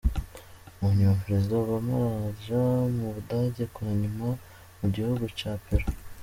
Mu nyuma prezida Obama araja mu Budagi hanyuma mu gihugu ca Perou.